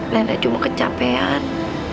nenek cuma kecapean